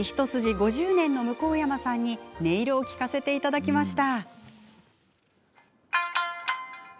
５０年の向山さんに音色を聴かせてもらいました。